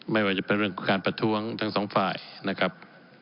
ไม่ว่าจะเป็นเรื่องของการประท้วงทั้งสองฝ่ายนะครับ